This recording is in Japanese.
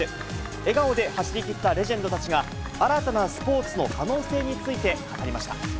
笑顔で走りきったレジェンドたちが、新たなスポーツの可能性について語りました。